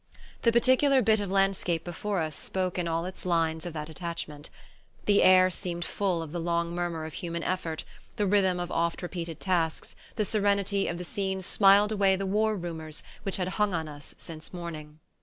The particular bit of landscape before us spoke in all its lines of that attachment. The air seemed full of the long murmur of human effort, the rhythm of oft repeated tasks, the serenity of the scene smiled away the war rumours which had hung on us since morning.